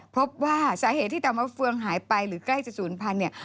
พบว่าสาเหตุที่เต่ามะเฟืองหายไปหรือใกล้จะศูนย์พันธุ์